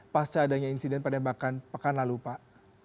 pasca adanya insiden penembakan pekan lalu pak